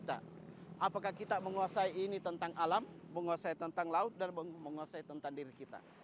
apakah kita menguasai ini tentang alam menguasai tentang laut dan menguasai tentang diri kita